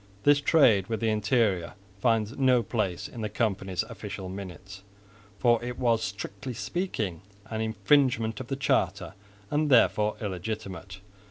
This trade with the interior finds no place in the company's official minutes, for it was strictly speaking an infringement of the charter, and therefore illegitimate.